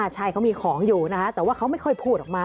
ใช่เขามีของอยู่นะคะแต่ว่าเขาไม่ค่อยพูดออกมา